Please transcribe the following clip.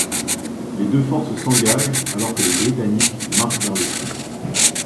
Les deux forces s'engagent alors que les Britanniques marchent vers le sud.